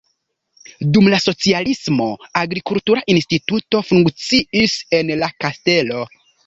Dum la socialismo agrikultura instituto funkciis en la kastelo.